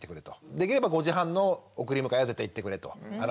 できれば５時半の送り迎えは絶対行ってくれと。